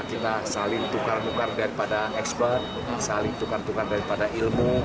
kita saling tukar tukar daripada expert saling tukar tukar daripada ilmu